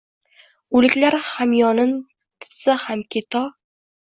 O’liklar hamyonin titsa hamki to